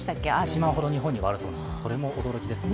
１万ほど日本にはあるそうで、それも驚きですね。